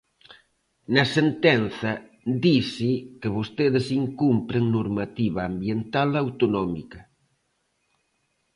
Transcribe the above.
Na sentenza dise que vostedes incumpren normativa ambiental autonómica.